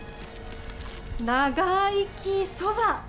ながいきそば。